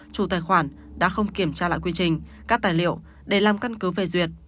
chủ tài khoản đã không kiểm tra lại quy trình các tài liệu để làm căn cứ phê duyệt